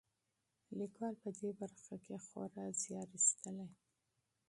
لیکوال په دې برخه کې خورا زیار ایستلی.